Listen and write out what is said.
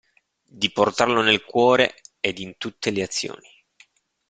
Di portarlo nel cuore ed in tutte le azioni.